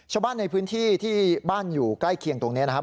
ชาวบ้านในพื้นที่ที่บ้านอยู่ใกล้เคียงตรงนี้นะครับ